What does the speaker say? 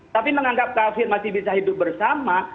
tapi menganggap kafir masih bisa hidup bersama